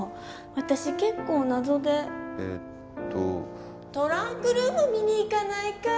私結構謎でえっとトランクルーム見にいかないかい？